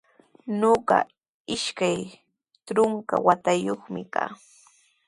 Ñuqaqa ishka trunka watayuqmi kaa.